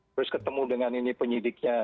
terus ketemu dengan ini penyidiknya